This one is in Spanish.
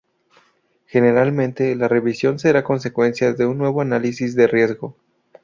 Generalmente, la revisión será consecuencia de un nuevo análisis de riesgo.